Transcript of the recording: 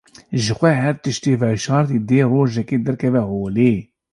Jixwe her tiştê veşartî dê rojekê derkeve holê.